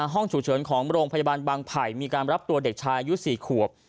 ห้องฉุกเฉินของโรงพยาบาลบางไผ่มีการรับตัวเด็กชายอายุ๔ขวบ